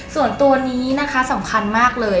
ส่วนตัวนี้นะคะสำคัญมากเลย